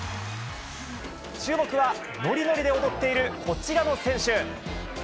注目は、ノリノリで踊っているこちらの選手。